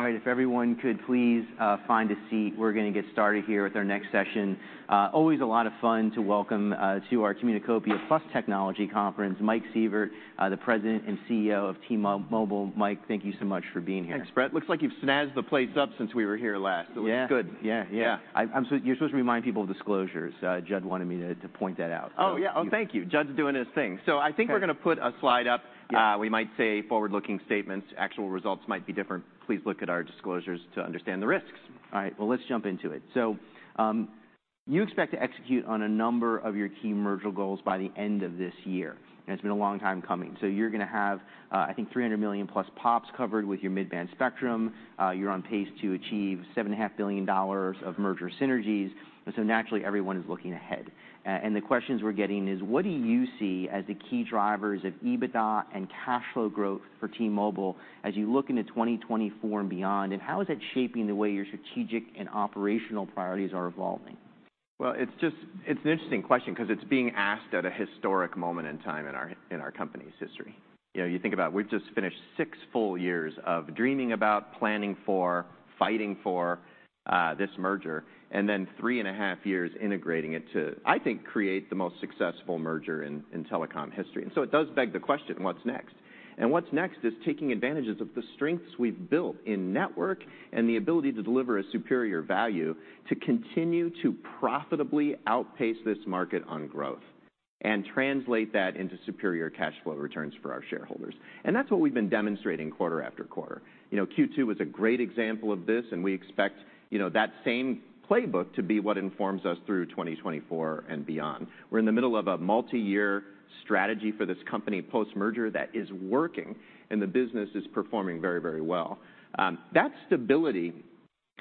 All right, if everyone could please, find a seat, we're gonna get started here with our next session. Always a lot of fun to welcome, to our Communicopia + Technology Conference, Mike Sievert, the President and CEO of T-Mobile. Mike, thank you so much for being here. Thanks, Brett. Looks like you've snazzled the place up since we were here last. It looks good. You're supposed to remind people of disclosures. Judd wanted me to point that out. Oh, yeah. Oh, thank you. Judd's doing his thing. Okay. I think we're gonna put a slide up. Yeah. We might say forward-looking statements; actual results might be different. Please look at our disclosures to understand the risks. All right, well, let's jump into it. So you expect to execute on a number of your key merger goals by the end of this year, and it's been a long time coming. So you're gonna have, I think, 300 million plus POPs covered with your mid-band spectrum. You're on pace to achieve $7.5 billion of merger synergies, and so naturally, everyone is looking ahead. And the questions we're getting is, what do you see as the key drivers of EBITDA and cash flow growth for T-Mobile as you look into 2024 and beyond, and how is it shaping the way your strategic and operational priorities are evolving? Well, it's just, it's an interesting question 'cause it's being asked at a historic moment in time in our, in our company's history. You know, you think about it, we've just finished six full years of dreaming about, planning for, fighting for, this merger, and then three and a half years integrating it to, I think, create the most successful merger in, in telecom history. And so it does beg the question, what's next? And what's next is taking advantages of the strengths we've built in network and the ability to deliver a superior value to continue to profitably outpace this market on growth, and translate that into superior cash flow returns for our shareholders. And that's what we've been demonstrating quarter after quarter. You know, Q2 was a great example of this, and we expect, you know, that same playbook to be what informs us through 2024 and beyond. We're in the middle of a multi-year strategy for this company, post-merger, that is working, and the business is performing very, very well. That stability...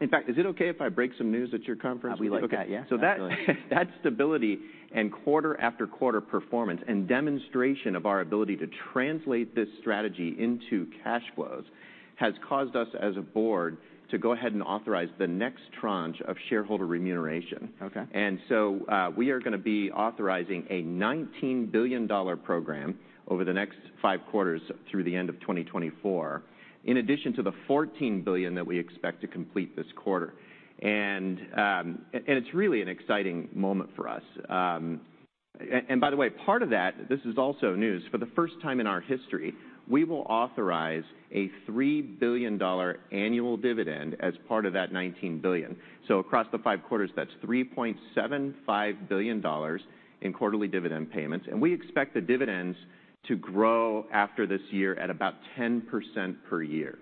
In fact, is it okay if I break some news at your conference? We like that. Okay. Absolutely. So that stability and quarter after quarter performance and demonstration of our ability to translate this strategy into cash flows has caused us, as a board, to go ahead and authorize the next tranche of shareholder remuneration. Okay. We are gonna be authorizing a $19 billion program over the next 5 quarters through the end of 2024, in addition to the $14 billion that we expect to complete this quarter. It's really an exciting moment for us. By the way, part of that, this is also news, for the first time in our history, we will authorize a $3 billion annual dividend as part of that $19 billion. Across the 5 quarters, that's $3.75 billion in quarterly dividend payments, and we expect the dividends to grow after this year at about 10% per year.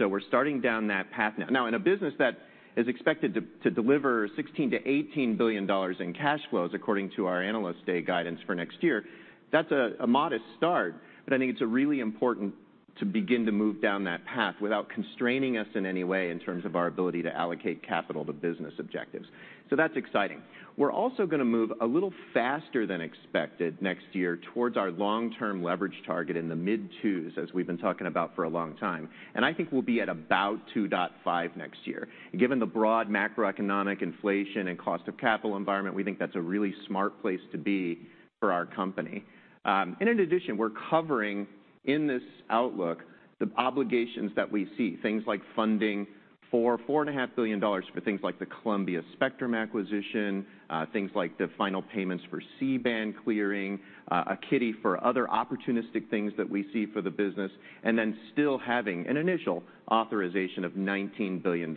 We're starting down that path now. Now, in a business that is expected to deliver 16-18 billion dollars in cash flows, according to our Analyst Day guidance for next year, that's a modest start, but I think it's really important to begin to move down that path without constraining us in any way in terms of our ability to allocate capital to business objectives. So that's exciting. We're also gonna move a little faster than expected next year towards our long-term leverage target in the mid-2s, as we've been talking about for a long time. And I think we'll be at about 2.5 next year. Given the broad macroeconomic inflation and cost of capital environment, we think that's a really smart place to be for our company. And in addition, we're covering, in this outlook, the obligations that we see, things like funding for $4.5 billion for things like the Columbia Capital spectrum acquisition, things like the final payments for C-Band clearing, a kitty for other opportunistic things that we see for the business, and then still having an initial authorization of $19 billion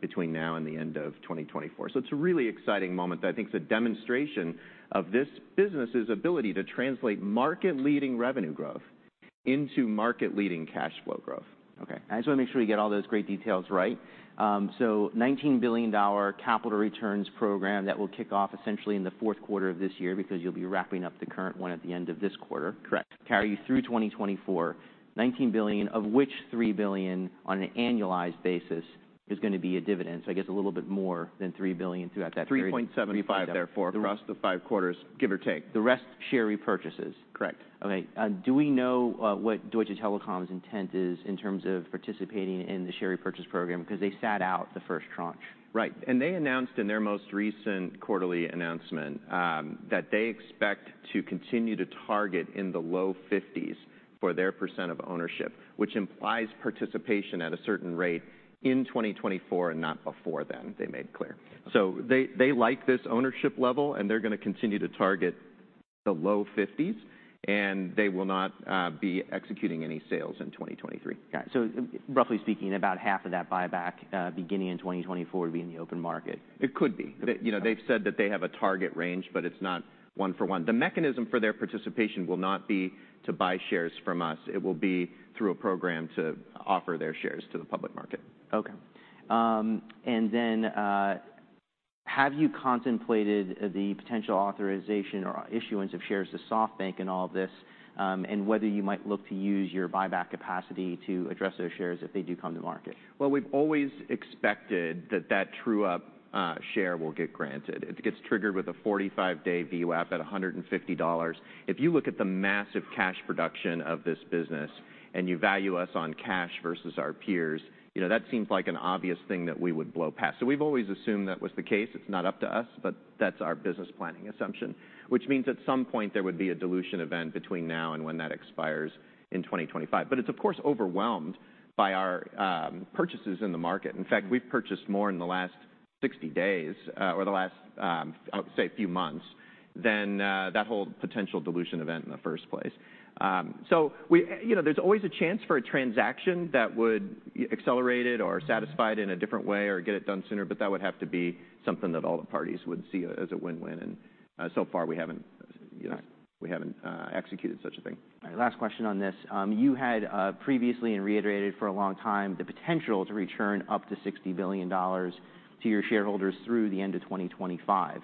between now and the end of 2024. So it's a really exciting moment that I think is a demonstration of this business's ability to translate market-leading revenue growth into market-leading cash flow growth. Okay. I just wanna make sure we get all those great details right. So, $19 billion capital returns program that will kick off essentially in the fourth quarter of this year because you'll be wrapping up the current one at the end of this quarter? Correct. Carry you through 2024, $19 billion, of which $3 billion on an annualized basis is gonna be a dividend. So I guess a little bit more than $3 billion throughout that period. 3.75 therefore- Mm-hmm Across the five quarters, give or take. The rest, share repurchases? Correct. Okay, do we know what Deutsche Telekom's intent is in terms of participating in the share repurchase program? Because they sat out the first tranche. Right. And they announced in their most recent quarterly announcement that they expect to continue to target in the low 50s% for their percent of ownership, which implies participation at a certain rate in 2024 and not before then. They made clear. Okay. So they like this ownership level, and they're gonna continue to target the low 50s, and they will not be executing any sales in 2023. Got it. So roughly speaking, about half of that buyback, beginning in 2024, would be in the open market? It could be. Okay. You know, they've said that they have a target range, but it's not one for one. The mechanism for their participation will not be to buy shares from us. It will be through a program to offer their shares to the public market. Okay. And then, have you contemplated the potential authorization or issuance of shares to SoftBank in all of this, and whether you might look to use your buyback capacity to address those shares if they do come to market? Well, we've always expected that true-up share will get granted. It gets triggered with a 45-day VWAP at $150. If you look at the massive cash production of this business, and you value us on cash versus our peers, you know, that seems like an obvious thing that we would blow past. So we've always assumed that was the case. It's not up to us, but that's our business planning assumption, which means at some point there would be a dilution event between now and when that expires in 2025. But it's of course overwhelmed by our purchases in the market. In fact, we've purchased more in the last 60 days or the last, I would say a few months, than that whole potential dilution event in the first place. So, you know, there's always a chance for a transaction that would accelerate it or satisfy it in a different way or get it done sooner, but that would have to be something that all the parties would see as a win-win, and so far, we haven't, you know, executed such a thing. All right, last question on this. You had previously and reiterated for a long time the potential to return up to $60 billion to your shareholders through the end of 2025.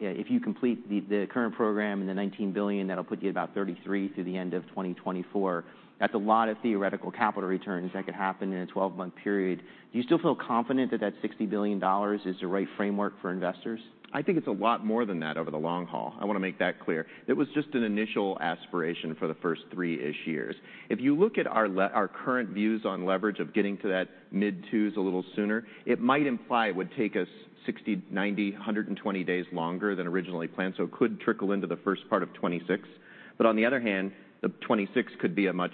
If you complete the current program and the $19 billion, that'll put you at about $33 billion through the end of 2024. That's a lot of theoretical capital returns that could happen in a 12-month period. Do you still feel confident that that $60 billion is the right framework for investors? I think it's a lot more than that over the long haul. I want to make that clear. It was just an initial aspiration for the first three-ish years. If you look at our current views on leverage of getting to that mid-twos a little sooner, it might imply it would take us 60, 90, 120 days longer than originally planned, so it could trickle into the first part of 2026. But on the other hand, the 2026 could be a much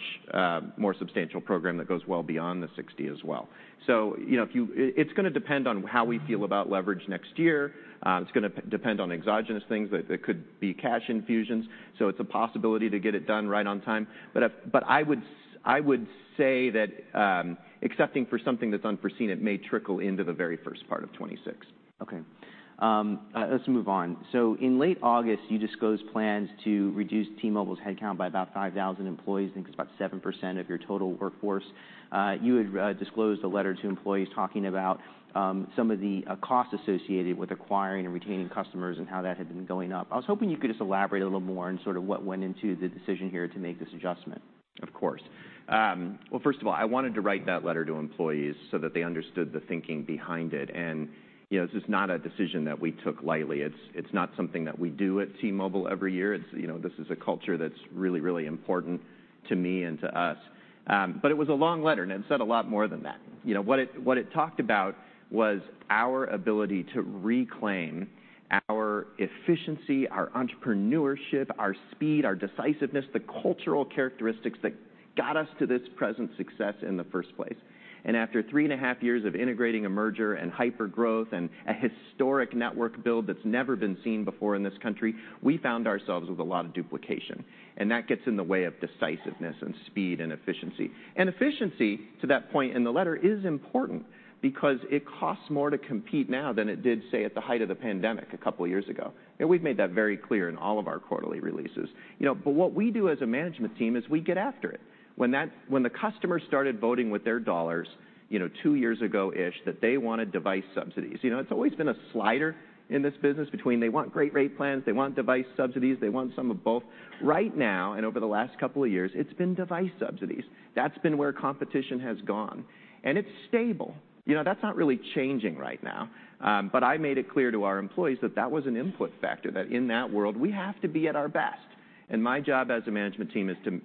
more substantial program that goes well beyond the 60 as well. So, you know, it's gonna depend on how we feel about leverage next year. It's gonna depend on exogenous things. There could be cash infusions, so it's a possibility to get it done right on time. I would say that, excepting for something that's unforeseen, it may trickle into the very first part of 2026. Okay. Let's move on. So in late August, you disclosed plans to reduce T-Mobile's headcount by about 5,000 employees. I think it's about 7% of your total workforce. You had disclosed a letter to employees talking about some of the costs associated with acquiring and retaining customers and how that had been going up. I was hoping you could just elaborate a little more on sort of what went into the decision here to make this adjustment. Of course. Well, first of all, I wanted to write that letter to employees so that they understood the thinking behind it, and, you know, this is not a decision that we took lightly. It's, it's not something that we do at T-Mobile every year. It's, you know, this is a culture that's really, really important to me and to us. But it was a long letter, and it said a lot more than that. You know, what it, what it talked about was our ability to reclaim our efficiency, our entrepreneurship, our speed, our decisiveness, the cultural characteristics that got us to this present success in the first place. And after 3.5 years of integrating a merger and hypergrowth and a historic network build that's never been seen before in this country, we found ourselves with a lot of duplication, and that gets in the way of decisiveness and speed and efficiency. And efficiency, to that point in the letter, is important because it costs more to compete now than it did, say, at the height of the pandemic a couple of years ago, and we've made that very clear in all of our quarterly releases. You know, but what we do as a management team is we get after it. When the customer started voting with their dollars, you know, 2 years ago-ish, that they wanted device subsidies... You know, it's always been a slider in this business between they want great rate plans, they want device subsidies, they want some of both. Right now, and over the last couple of years, it's been device subsidies. That's been where competition has gone, and it's stable. You know, that's not really changing right now, but I made it clear to our employees that that was an input factor, that in that world, we have to be at our best. And my job as a management team is to,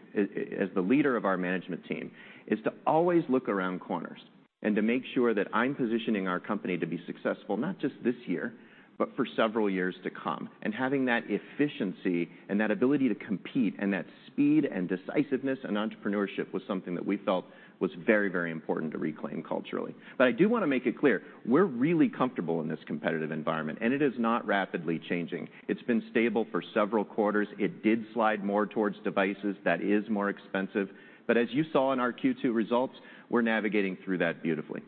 as the leader of our management team, is to always look around corners and to make sure that I'm positioning our company to be successful, not just this year, but for several years to come. And having that efficiency and that ability to compete and that speed and decisiveness and entrepreneurship was something that we felt was very, very important to reclaim culturally. But I do want to make it clear, we're really comfortable in this competitive environment, and it is not rapidly changing. It's been stable for several quarters. It did slide more towards devices that is more expensive, but as you saw in our Q2 results, we're navigating through that beautifully.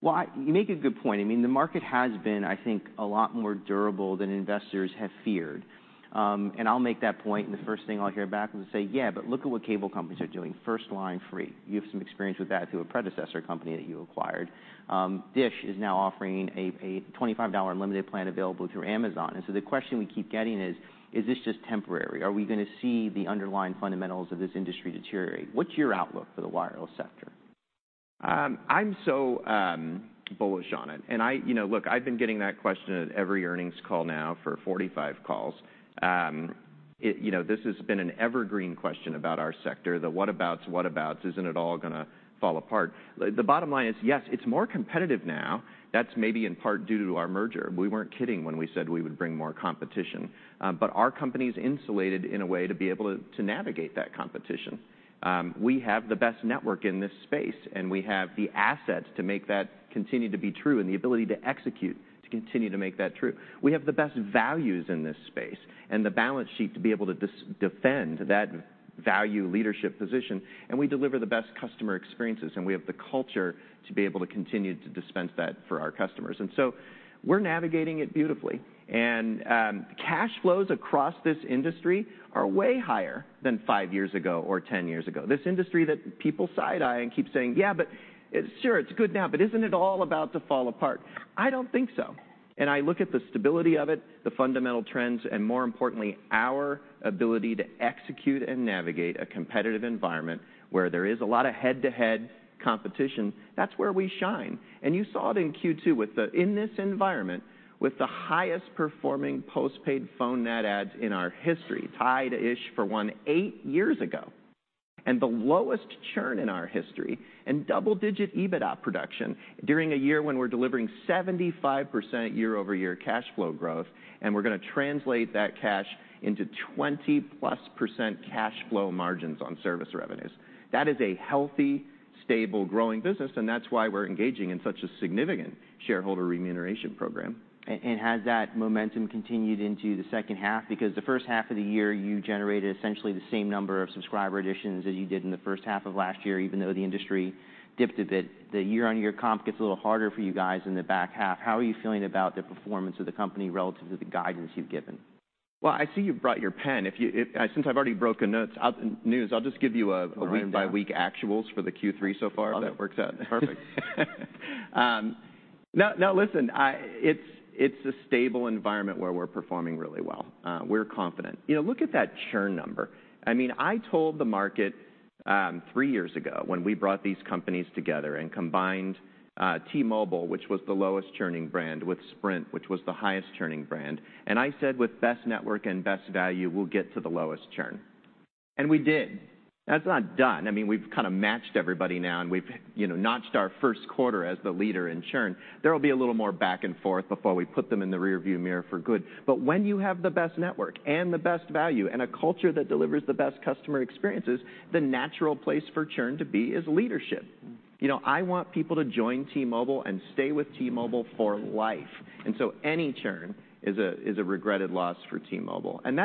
Well, you make a good point. I mean, the market has been, I think, a lot more durable than investors have feared. And I'll make that point, and the first thing I'll hear back is to say: "Yeah, but look at what cable companies are doing. First line free." You have some experience with that through a predecessor company that you acquired. DISH is now offering a $25 unlimited plan available through Amazon. And so the question we keep getting is: Is this just temporary? Are we gonna see the underlying fundamentals of this industry deteriorate? What's your outlook for the wireless sector? I'm so bullish on it, and I... You know, look, I've been getting that question at every earnings call now for 45 calls. You know, this has been an evergreen question about our sector, the what abouts, what abouts, isn't it all gonna fall apart? The bottom line is, yes, it's more competitive now. That's maybe in part due to our merger. We weren't kidding when we said we would bring more competition, but our company's insulated in a way to be able to, to navigate that competition. We have the best network in this space, and we have the assets to make that continue to be true and the ability to execute, to continue to make that true. We have the best values in this space and the balance sheet to be able to defend that value leadership position, and we deliver the best customer experiences, and we have the culture to be able to continue to dispense that for our customers. And so we're navigating it beautifully. And, cash flows across this industry are way higher than 5 years ago or 10 years ago. This industry that people side-eye and keep saying: "Yeah, but, uh, sure, it's good now, but isn't it all about to fall apart?" I don't think so. And I look at the stability of it, the fundamental trends, and more importantly, our ability to execute and navigate a competitive environment where there is a lot of head-to-head competition. That's where we shine. You saw it in Q2 in this environment, with the highest performing postpaid phone net adds in our history, tied-ish for 18 years ago, and the lowest churn in our history, and double-digit EBITDA production during a year when we're delivering 75% year-over-year cash flow growth, and we're gonna translate that cash into 20%+ cash flow margins on service revenues. That is a healthy, stable, growing business, and that's why we're engaging in such a significant shareholder remuneration program. And has that momentum continued into the second half? Because the first half of the year, you generated essentially the same number of subscriber additions as you did in the first half of last year, even though the industry dipped a bit. The year-on-year comp gets a little harder for you guys in the back half. How are you feeling about the performance of the company relative to the guidance you've given? Well, I see you've brought your pen. Since I've already broken the news, I'll just give you a- All right week-by-week actuals for the Q3 so far- Love it. If that works out. Perfect. No, no, listen, it's a stable environment where we're performing really well. We're confident. You know, look at that churn number. I mean, I told the market three years ago, when we brought these companies together and combined T-Mobile, which was the lowest-churning brand, with Sprint, which was the highest-churning brand, and I said with best network and best value, we'll get to the lowest churn. And we did. That's not done. I mean, we've kind of matched everybody now, and we've, you know, notched our first quarter as the leader in churn. There will be a little more back and forth before we put them in the rearview mirror for good. But when you have the best network and the best value and a culture that delivers the best customer experiences, the natural place for churn to be is leadership. You know, I want people to join T-Mobile and stay with T-Mobile for life, and so any churn is a regretted loss for T-Mobile. And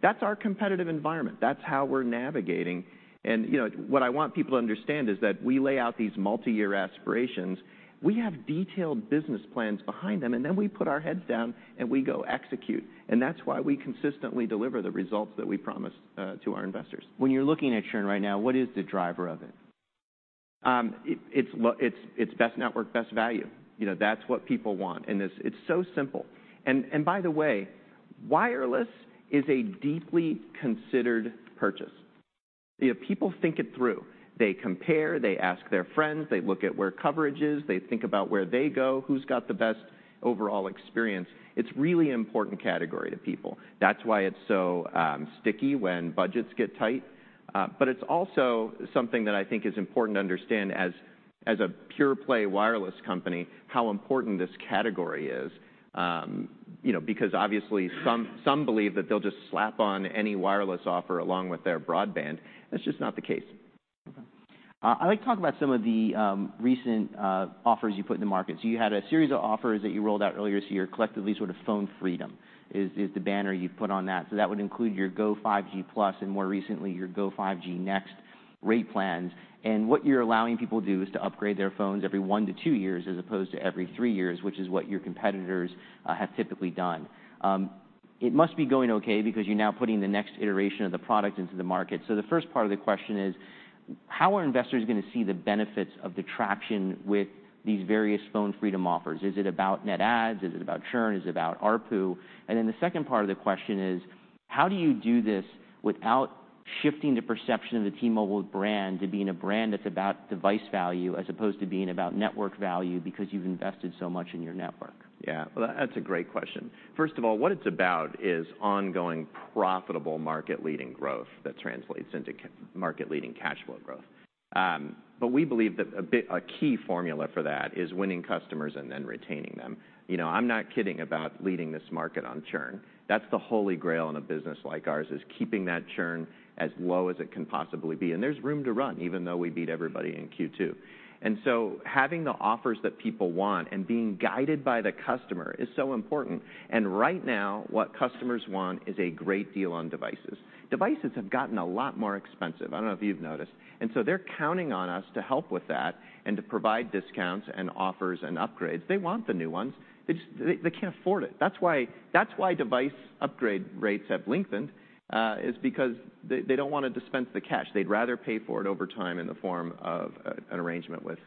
that's our competitive environment. That's how we're navigating. And, you know, what I want people to understand is that we lay out these multi-year aspirations, we have detailed business plans behind them, and then we put our heads down, and we go execute. And that's why we consistently deliver the results that we promise to our investors. When you're looking at churn right now, what is the driver of it? It's best network, best value. You know, that's what people want, and it's so simple. By the way, wireless is a deeply considered purchase. You know, people think it through. They compare, they ask their friends, they look at where coverage is, they think about where they go, who's got the best overall experience. It's a really important category to people. That's why it's so sticky when budgets get tight. But it's also something that I think is important to understand as a pure-play wireless company, how important this category is. You know, because obviously, some believe that they'll just slap on any wireless offer along with their broadband. That's just not the case. I'd like to talk about some of the recent offers you put in the market. So you had a series of offers that you rolled out earlier this year, collectively sort of Phone Freedom is the banner you've put on that. So that would include your Go5G Plus, and more recently, your Go5G Next rate plans. And what you're allowing people to do is to upgrade their phones every one to two years, as opposed to every three years, which is what your competitors have typically done. It must be going okay because you're now putting the next iteration of the product into the market. So the first part of the question is, how are investors gonna see the benefits of the traction with these various Phone Freedom offers? Is it about net adds? Is it about churn? Is it about ARPU? And then the second part of the question is, how do you do this without shifting the perception of the T-Mobile brand to being a brand that's about device value as opposed to being about network value because you've invested so much in your network? Well, that's a great question. First of all, what it's about is ongoing, profitable, market-leading growth that translates into market-leading cash flow growth. But we believe that a key formula for that is winning customers and then retaining them. You know, I'm not kidding about leading this market on churn. That's the Holy Grail in a business like ours, is keeping that churn as low as it can possibly be, and there's room to run, even though we beat everybody in Q2. And so having the offers that people want and being guided by the customer is so important. And right now, what customers want is a great deal on devices. Devices have gotten a lot more expensive. I don't know if you've noticed. And so they're counting on us to help with that and to provide discounts and offers and upgrades. They want the new ones. They just can't afford it. That's why device upgrade rates have lengthened, is because they don't want to dispense the cash. They'd rather pay for it over time in the form of an arrangement with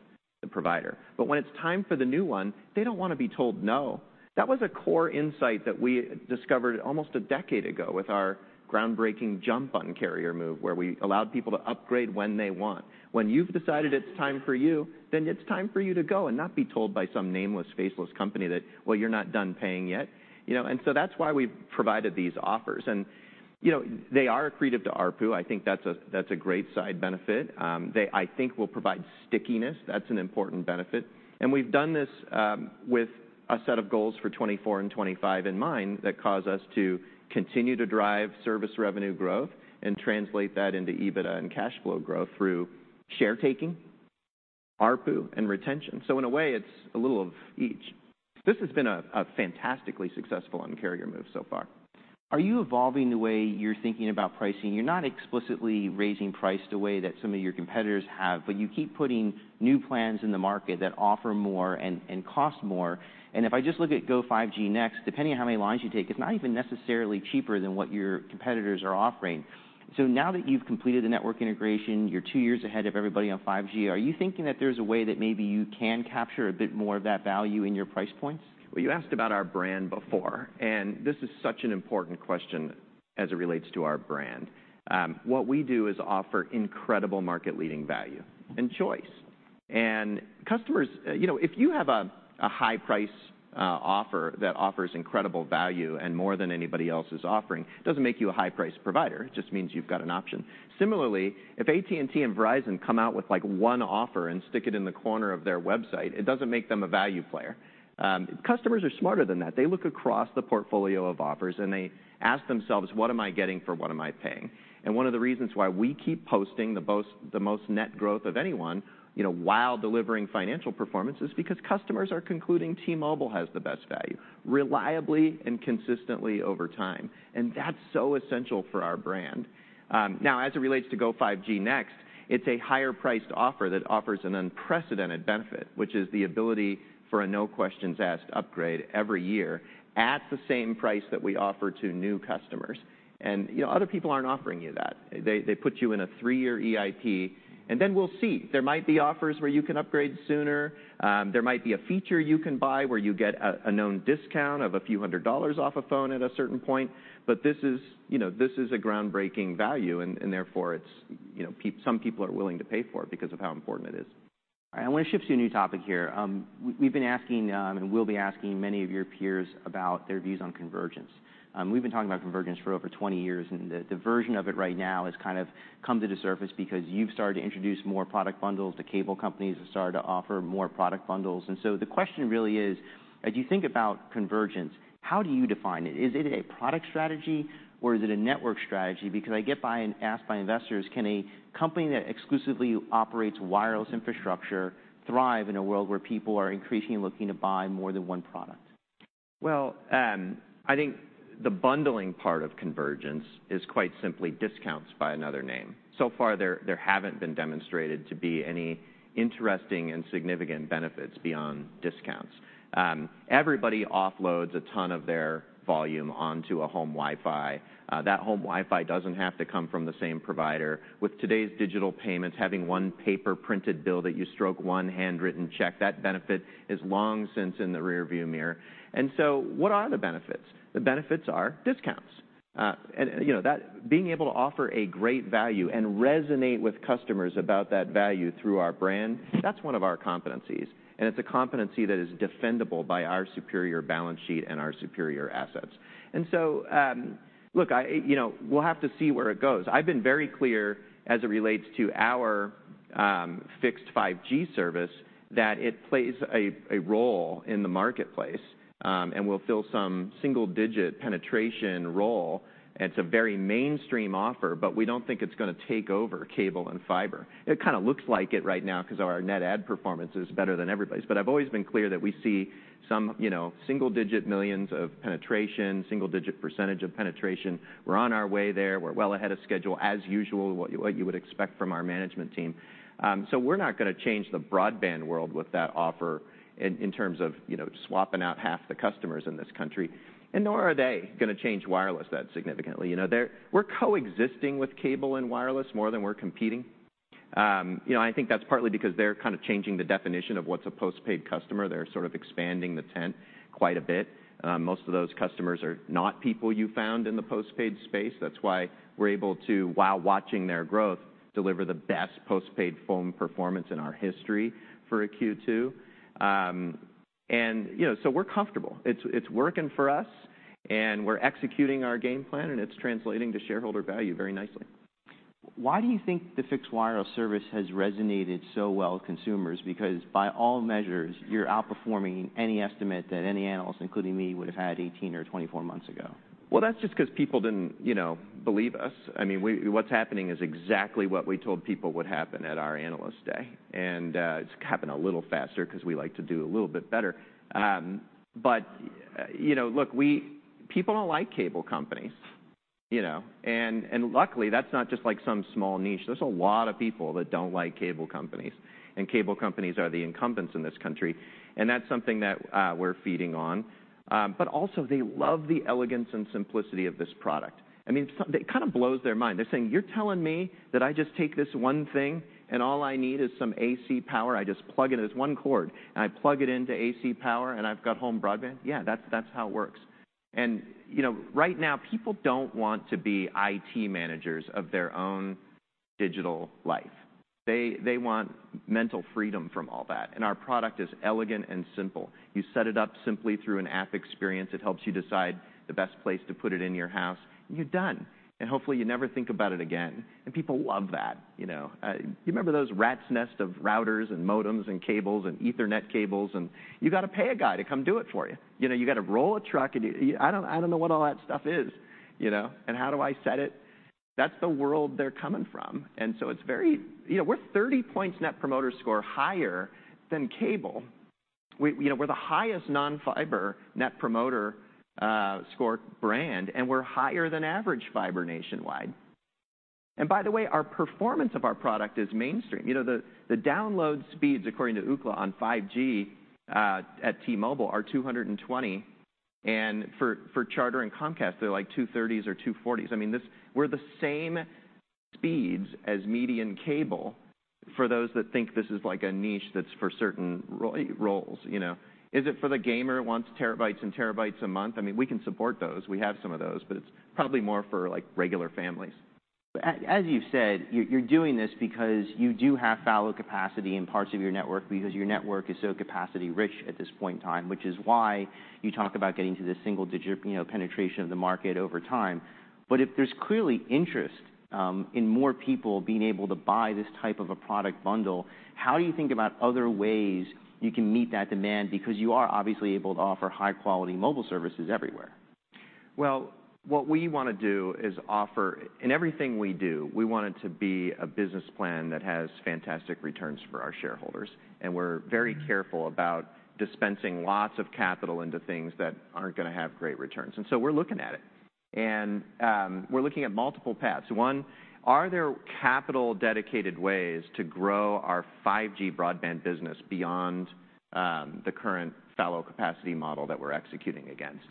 the provider. But when it's time for the new one, they don't want to be told, "No." That was a core insight that we discovered almost a decade ago with our groundbreaking JUMP! Un-carrier move, where we allowed people to upgrade when they want. When you've decided it's time for you, then it's time for you to go and not be told by some nameless, faceless company that, "Well, you're not done paying yet." You know, and so that's why we've provided these offers. And, you know, they are accretive to ARPU. I think that's a great side benefit. They, I think, will provide stickiness. That's an important benefit. We've done this with a set of goals for 2024 and 2025 in mind that cause us to continue to drive service revenue growth and translate that into EBITDA and cash flow growth through share taking, ARPU, and retention. So in a way, it's a little of each. This has been a fantastically successful Un-carrier move so far. Are you evolving the way you're thinking about pricing? You're not explicitly raising price the way that some of your competitors have, but you keep putting new plans in the market that offer more and cost more. And if I just look at Go5G Next, depending on how many lines you take, it's not even necessarily cheaper than what your competitors are offering. So now that you've completed the network integration, you're two years ahead of everybody on 5G, are you thinking that there's a way that maybe you can capture a bit more of that value in your price points? Well, you asked about our brand before, and this is such an important question as it relates to our brand. What we do is offer incredible market-leading value and choice. And customers, you know, if you have a high-price offer that offers incredible value and more than anybody else is offering, it doesn't make you a high-price provider. It just means you've got an option. Similarly, if AT&T and Verizon come out with, like, one offer and stick it in the corner of their website, it doesn't make them a value player. Customers are smarter than that. They look across the portfolio of offers, and they ask themselves, "What am I getting for what am I paying?"... One of the reasons why we keep posting the most, the most net growth of anyone, you know, while delivering financial performance, is because customers are concluding T-Mobile has the best value, reliably and consistently over time. That's so essential for our brand. Now, as it relates to Go5G Next, it's a higher-priced offer that offers an unprecedented benefit, which is the ability for a no-questions-asked upgrade every year at the same price that we offer to new customers. You know, other people aren't offering you that. They put you in a three-year EIP, and then we'll see. There might be offers where you can upgrade sooner, there might be a feature you can buy where you get a known discount of a few hundred dollars off a phone at a certain point, but this is, you know, this is a groundbreaking value, and therefore it's, you know, people are willing to pay for it because of how important it is. I want to shift to a new topic here. We've been asking, and we'll be asking many of your peers about their views on convergence. We've been talking about convergence for over 20 years, and the version of it right now has kind of come to the surface because you've started to introduce more product bundles. The cable companies have started to offer more product bundles. And so the question really is, as you think about convergence, how do you define it? Is it a product strategy or is it a network strategy? Because I get asked by investors, "Can a company that exclusively operates wireless infrastructure thrive in a world where people are increasingly looking to buy more than one product? Well, I think the bundling part of convergence is quite simply discounts by another name. So far, there haven't been demonstrated to be any interesting and significant benefits beyond discounts. Everybody offloads a ton of their volume onto a home Wi-Fi. That home Wi-Fi doesn't have to come from the same provider. With today's digital payments, having one paper-printed bill that you stroke one handwritten check, that benefit is long since in the rearview mirror. And so what are the benefits? The benefits are discounts. And, you know, that being able to offer a great value and resonate with customers about that value through our brand, that's one of our competencies, and it's a competency that is defendable by our superior balance sheet and our superior assets. And so, look, I, you know, we'll have to see where it goes. I've been very clear as it relates to our fixed 5G service, that it plays a role in the marketplace, and will fill some single-digit penetration role. It's a very mainstream offer, but we don't think it's going to take over cable and fiber. It kind of looks like it right now because our net add performance is better than everybody's. But I've always been clear that we see some, you know, single-digit millions of penetration, single-digit % of penetration. We're on our way there. We're well ahead of schedule, as usual, what you would expect from our management team. So we're not going to change the broadband world with that offer in terms of, you know, swapping out half the customers in this country, and nor are they going to change wireless that significantly. You know, we're coexisting with cable and wireless more than we're competing. You know, I think that's partly because they're kind of changing the definition of what's a postpaid customer. They're sort of expanding the tent quite a bit. Most of those customers are not people you found in the postpaid space. That's why we're able to, while watching their growth, deliver the best postpaid phone performance in our history for a Q2. And, you know, so we're comfortable. It's working for us, and we're executing our game plan, and it's translating to shareholder value very nicely. Why do you think the fixed wireless service has resonated so well with consumers? Because by all measures, you're outperforming any estimate that any analyst, including me, would have had 18 or 24 months ago. Well, that's just because people didn't, you know, believe us. I mean, what's happening is exactly what we told people would happen at our Analyst Day, and it's happening a little faster because we like to do a little bit better. But, you know, look, we... People don't like cable companies, you know? And luckily, that's not just like some small niche. There's a lot of people that don't like cable companies, and cable companies are the incumbents in this country, and that's something that we're feeding on. But also, they love the elegance and simplicity of this product. I mean, it kind of blows their mind. They're saying, "You're telling me that I just take this one thing, and all I need is some AC power? I just plug it in this one cord, and I plug it into AC power, and I've got home broadband? Yeah, that's, that's how it works. You know, right now, people don't want to be IT managers of their own digital life. They, they want mental freedom from all that, and our product is elegant and simple. You set it up simply through an app experience. It helps you decide the best place to put it in your house, and you're done. Hopefully, you never think about it again, and people love that, you know? You remember those rats' nest of routers and modems and cables and Ethernet cables, and you got to pay a guy to come do it for you got to roll a truck, and you... I don't, I don't know what all that stuff is, you know? And how do I set it? That's the world they're coming from, and so it's very... You know, we're 30 points Net Promoter Score higher than cable. We, you know, we're the highest non-fiber Net Promoter Score brand, and we're higher than average fiber nationwide. By the way, our performance of our product is mainstream. You know, the download speeds, according to Ookla on 5G, at T-Mobile, are 220, and for Charter and Comcast, they're like 230s or 240s. I mean, this, we're the same speeds as median cable for those that think this is like a niche that's for certain roles, you know? Is it for the gamer who wants terabytes and terabytes a month? I mean, we can support those. We have some of those, but it's probably more for, like, regular families. As you've said, you're doing this because you do have valid capacity in parts of your network because your network is so capacity rich at this point in time, which is why you talk about getting to the single digit, you know, penetration of the market over time. But if there's clearly interest in more people being able to buy this type of a product bundle, how do you think about other ways you can meet that demand? Because you are obviously able to offer high-quality mobile services everywhere. ...Well, what we want to do is offer, in everything we do, we want it to be a business plan that has fantastic returns for our shareholders, and we're very careful about dispensing lots of capital into things that aren't going to have great returns. And so we're looking at it. And, we're looking at multiple paths. One, are there capital-dedicated ways to grow our 5G broadband business beyond, the current fallow capacity model that we're executing against?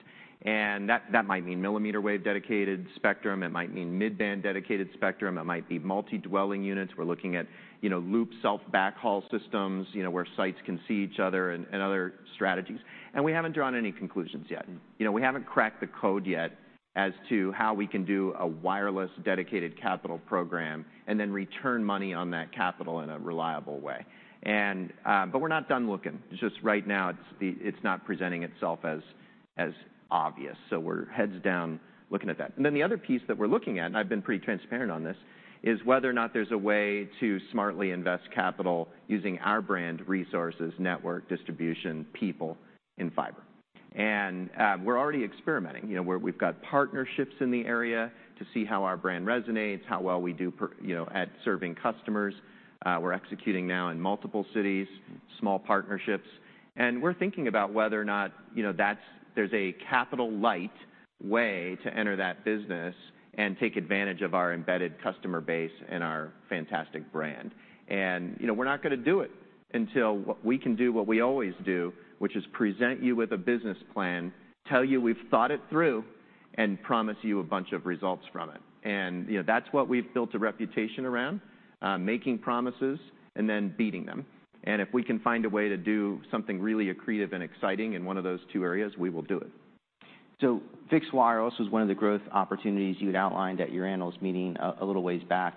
And that, that might mean millimeter wave-dedicated spectrum, it might mean mid-band dedicated spectrum, it might be multi-dwelling units. We're looking at, you know, loop self-backhaul systems, you know, where sites can see each other and, and other strategies. And we haven't drawn any conclusions yet. You know, we haven't cracked the code yet as to how we can do a wireless dedicated capital program and then return money on that capital in a reliable way. And, but we're not done looking. Just right now, it's not presenting itself as obvious, so we're heads down, looking at that. And then the other piece that we're looking at, and I've been pretty transparent on this, is whether or not there's a way to smartly invest capital using our brand resources, network, distribution, people in fiber. And, we're already experimenting. You know, we've got partnerships in the area to see how our brand resonates, how well we do per, you know, at serving customers. We're executing now in multiple cities, small partnerships, and we're thinking about whether or not, you know, there's a capital light way to enter that business and take advantage of our embedded customer base and our fantastic brand. And, you know, we're not going to do it until we can do what we always do, which is present you with a business plan, tell you we've thought it through, and promise you a bunch of results from it. And, you know, that's what we've built a reputation around, making promises and then beating them. And if we can find a way to do something really accretive and exciting in one of those two areas, we will do it. Fixed wireless was one of the growth opportunities you had outlined at your analyst meeting a little ways back.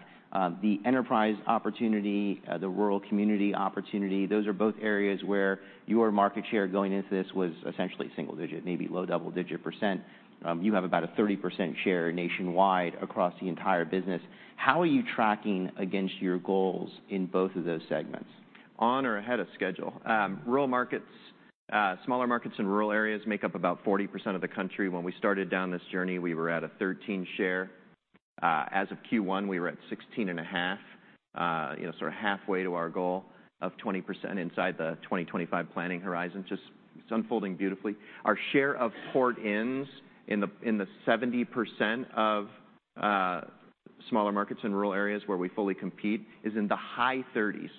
The enterprise opportunity, the rural community opportunity, those are both areas where your market share going into this was essentially single-digit, maybe low double-digit %. You have about a 30% share nationwide across the entire business. How are you tracking against your goals in both of those segments? On or ahead of schedule. Rural markets, smaller markets in rural areas make up about 40% of the country. When we started down this journey, we were at a 13 share. As of Q1, we were at 16.5, you know, sort of halfway to our goal of 20% inside the 2025 planning horizon. Just, it's unfolding beautifully. Our share of port-ins in the 70% of smaller markets in rural areas where we fully compete is in the high 30s,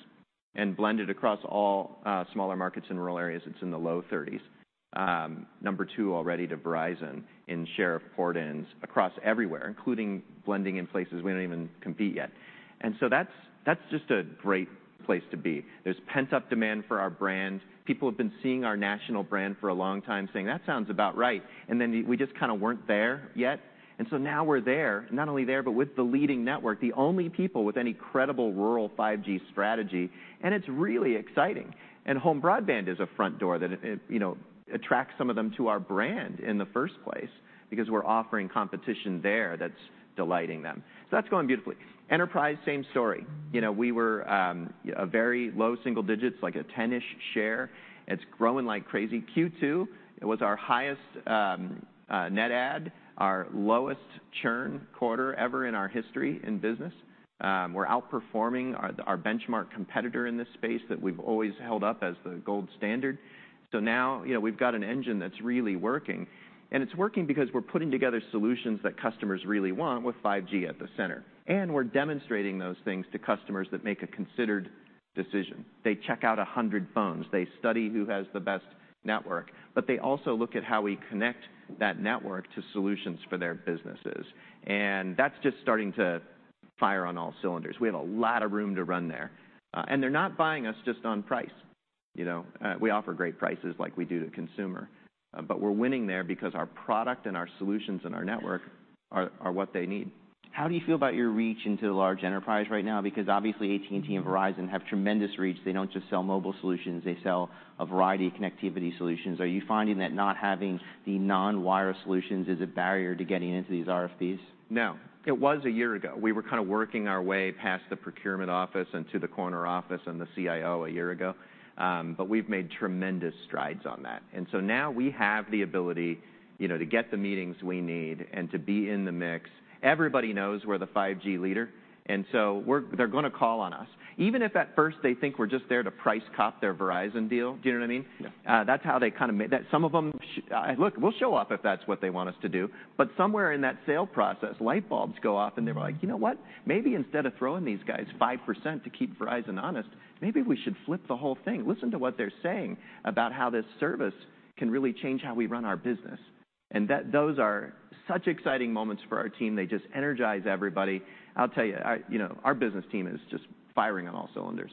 and blended across all smaller markets in rural areas, it's in the low 30s. No. 2 already to Verizon in share of port-ins across everywhere, including blending in places we don't even compete yet. And so that's just a great place to be. There's pent-up demand for our brand. People have been seeing our national brand for a long time, saying, "That sounds about right." Then we just kind of weren't there yet. So now we're there, not only there, but with the leading network, the only people with any credible rural 5G strategy. And it's really exciting. Home broadband is a front door that, you know, attracts some of them to our brand in the first place because we're offering competition there that's delighting them. So that's going beautifully. Enterprise, same story. You know, we were a very low single digits, like a 10-ish share. It's growing like crazy. Q2, it was our highest net add, our lowest churn quarter ever in our history in business. We're outperforming our benchmark competitor in this space that we've always held up as the gold standard. So now, you know, we've got an engine that's really working, and it's working because we're putting together solutions that customers really want with 5G at the center. And we're demonstrating those things to customers that make a considered decision. They check out 100 phones. They study who has the best network. But they also look at how we connect that network to solutions for their businesses, and that's just starting to fire on all cylinders. We have a lot of room to run there. And they're not buying us just on price. You know, we offer great prices like we do to consumer, but we're winning there because our product and our solutions and our network are what they need. How do you feel about your reach into large enterprise right now? Because obviously, AT&T and Verizon have tremendous reach. They don't just sell mobile solutions. They sell a variety of connectivity solutions. Are you finding that not having the non-wire solutions is a barrier to getting into these RFPs? No. It was a year ago. We were kind of working our way past the procurement office and to the corner office and the CIO a year ago, but we've made tremendous strides on that. And so now we have the ability, you know, to get the meetings we need and to be in the mix. Everybody knows we're the 5G leader, and so we're, they're going to call on us. Even if at first they think we're just there to price cop their Verizon deal. Do you know what I mean? Yeah. Look, we'll show up if that's what they want us to do, but somewhere in that sale process, light bulbs go off, and they're like, "You know what? Maybe instead of throwing these guys 5% to keep Verizon honest, maybe we should flip the whole thing. Listen to what they're saying about how this service can really change how we run our business." And that, those are such exciting moments for our team. They just energize everybody. I'll tell you, you know, our business team is just firing on all cylinders.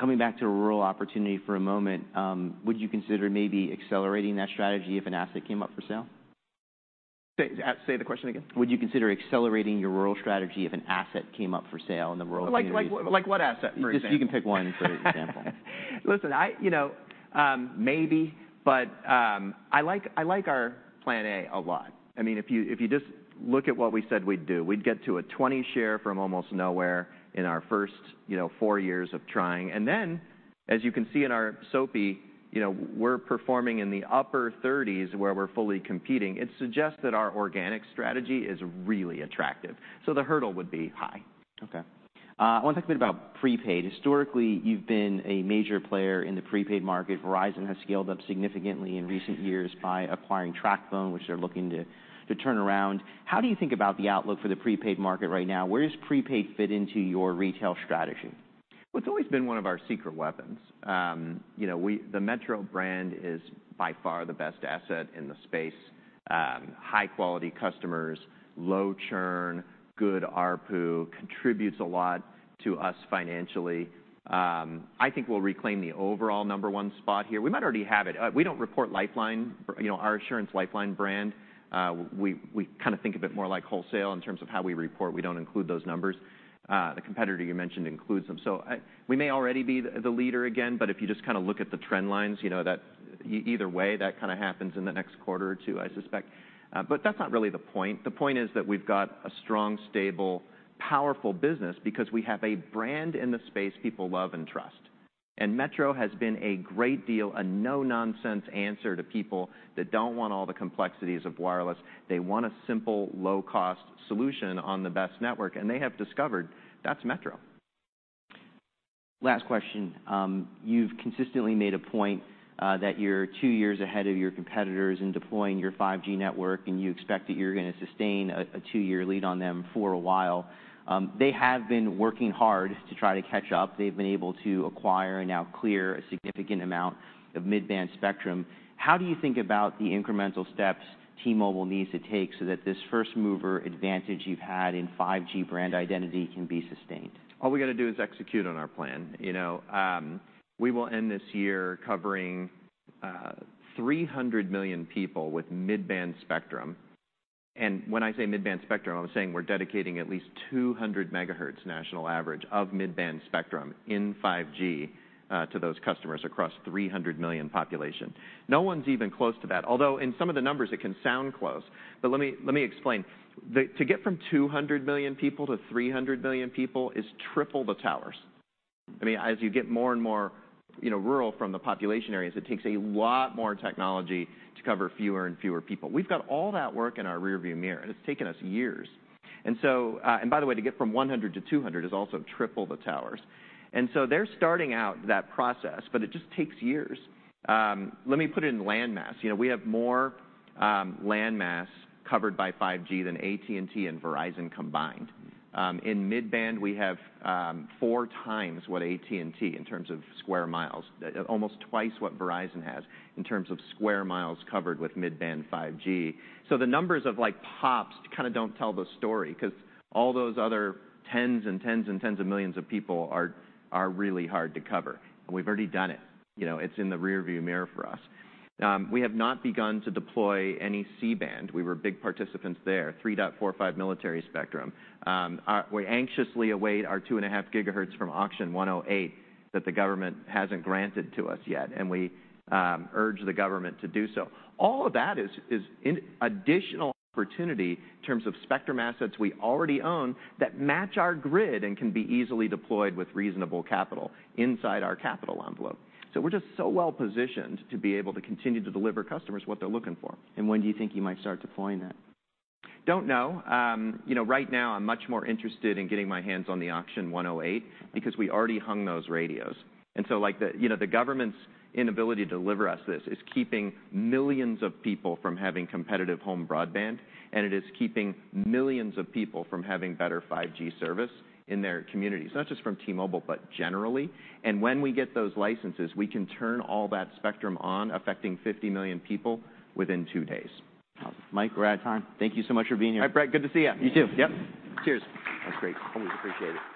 Coming back to the rural opportunity for a moment, would you consider maybe accelerating that strategy if an asset came up for sale? Say, the question again. Would you consider accelerating your rural strategy if an asset came up for sale in the rural community? Like, what asset, for example? You can pick one, for example. Listen, I maybe, but, I like our plan A a lot. I mean, if you, if you just look at what we said we'd do, we'd get to a 20 share from almost nowhere in our first, you know, four years of trying. And then, as you can see in our SOP, you know, we're performing in the upper thirties where we're fully competing. It suggests that our organic strategy is really attractive, so the hurdle would be high. Okay, I want to talk a bit about prepaid. Historically, you've been a major player in the prepaid market. Verizon has scaled up significantly in recent years by acquiring TracFone, which they're looking to turn around. How do you think about the outlook for the prepaid market right now? Where does prepaid fit into your retail strategy? Well, it's always been one of our secret weapons. You know, the Metro brand is by far the best asset in the space. High-quality customers, low churn, good ARPU, contributes a lot to us financially. I think we'll reclaim the overall number one spot here. We might already have it. We don't report Lifeline, you know, our Assurance Lifeline brand. We kind of think of it more like wholesale in terms of how we report. We don't include those numbers. The competitor you mentioned includes them. So we may already be the leader again, but if you just kind of look at the trend lines, you know, either way, that kind of happens in the next quarter or two, I suspect. But that's not really the point. The point is that we've got a strong, stable, powerful business because we have a brand in the space people love and trust. And Metro has been a great deal, a no-nonsense answer to people that don't want all the complexities of wireless. They want a simple, low-cost solution on the best network, and they have discovered that's Metro. Last question. You've consistently made a point that you're two years ahead of your competitors in deploying your 5G network, and you expect that you're gonna sustain a two-year lead on them for a while. They have been working hard to try to catch up. They've been able to acquire and now clear a significant amount of mid-band spectrum. How do you think about the incremental steps T-Mobile needs to take so that this first-mover advantage you've had in 5G brand identity can be sustained? All we got to do is execute on our plan. You know, we will end this year covering 300 million people with mid-band spectrum. And when I say mid-band spectrum, I'm saying we're dedicating at least 200 MHz national average of mid-band spectrum in 5G to those customers across 300 million population. No one's even close to that, although in some of the numbers, it can sound close. But let me, let me explain. To get from 200 million people to 300 million people is triple the towers. I mean, as you get more and more, you know, rural from the population areas, it takes a lot more technology to cover fewer and fewer people. We've got all that work in our rearview mirror, and it's taken us years. And by the way, to get from 100 to 200 is also triple the towers. And so they're starting out that process, but it just takes years. Let me put it in land mass. You know, we have more land mass covered by 5G than AT&T and Verizon combined. In mid-band, we have four times what AT&T, in terms of square miles, almost twice what Verizon has, in terms of square miles covered with mid-band 5G. So the numbers of, like, pops kind of don't tell the story, 'cause all those other tens and tens and tens of millions of people are really hard to cover, and we've already done it. It's in the rearview mirror for us. We have not begun to deploy any C-Band. We were big participants there, 3.45 military spectrum. We anxiously await our 2.5 GHz from Auction 108 that the government hasn't granted to us yet, and we urge the government to do so. All of that is an additional opportunity in terms of spectrum assets we already own that match our grid and can be easily deployed with reasonable capital inside our capital envelope. So we're just so well positioned to be able to continue to deliver customers what they're looking for. When do you think you might start deploying that? Don't know. You know, right now, I'm much more interested in getting my hands on the Auction 108 because we already hung those radios. So, like, you know, the government's inability to deliver us this is keeping millions of people from having competitive home broadband, and it is keeping millions of people from having better 5G service in their communities, not just from T-Mobile, but generally. When we get those licenses, we can turn all that spectrum on, affecting 50 million people within 2 days. Mike, we're out of time. Thank you so much for being here. All right, Brett, good to see you. You too. Yes. Cheers. That's great. Always appreciate it.